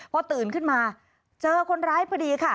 พอตื่นขึ้นมาเจอคนร้ายพอดีค่ะ